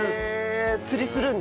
釣りするんですか？